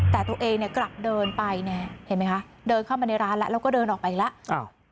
แต่ตัวเองกลับเดินไปเนี่ยเห็นมั้ยคะเดินเข้ามาในร้านแล้วก็เดินออกไปแล้ว